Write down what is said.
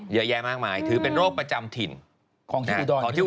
เยอะแยะมากมายถือเป็นโรคประจำถิ่นของจังหวัด